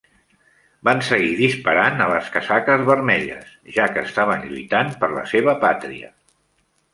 Van seguir disparant a les casaques vermelles, ja què estaven lluitant per la seva pàtria.